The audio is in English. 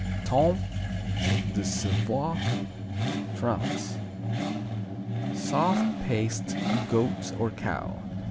Tome de Savoie France Soft paste; goat or cow.